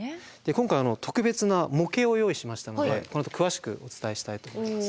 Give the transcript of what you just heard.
今回特別な模型を用意しましたのでこのあと詳しくお伝えしたいと思います。